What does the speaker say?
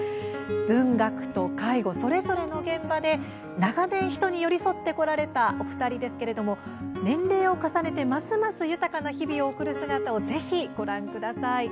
文学と介護、それぞれの現場で長年、人に寄り添ってこられたお二人年齢を重ねてますます豊かな日々を送る姿をぜひご覧ください。